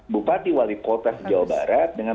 bupati dan wali kota sejawa barat dengan